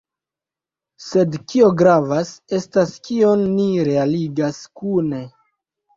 Sed kio gravas, estas kion ni realigas kune.